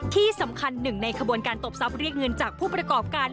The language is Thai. ที่สำคัญหนึ่งในขบวนการตบทรัพย์เรียกเงินจากผู้ประกอบการ